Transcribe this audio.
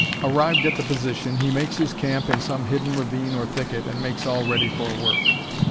Arrived at the position, he makes his camp in some hidden ravine or thicket, and makes all ready for work."